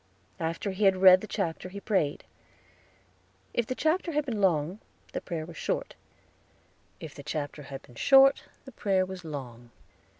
After he had read the chapter he prayed. If the chapter had been long, the prayer was short; if the chapter had been short, the prayer was long.